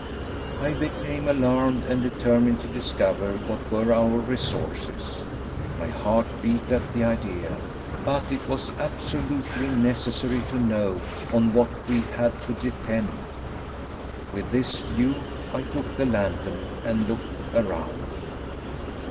I became alarmed, and determined to discover what were our resources. My heart beat at the idea, but it was absolutely necessary to know on what we had to depend. With this view, I took the lantern and looked around.